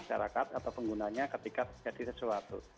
masyarakat atau penggunanya ketika terjadi sesuatu